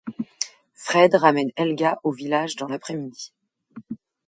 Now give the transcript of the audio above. Fred ramène Helga au village dans l'après-midi.